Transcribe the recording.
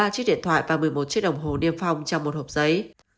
một mươi ba chiếc điện thoại và một mươi một chiếc đồng hồ niêm phong trong một hộp giấy